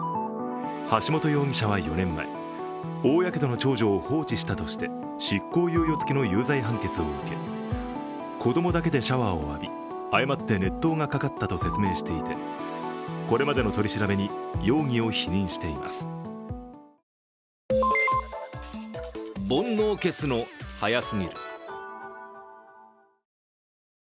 橋本容疑者は４年前大やけどの長女を放置したとして執行猶予付きの有罪判決を受け子どもだけでシャワーを浴び誤って熱湯がかかったと説明していてこれまでの取り調べに容疑を否認しています。